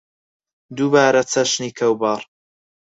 دووبارە چەشنی کەوباڕ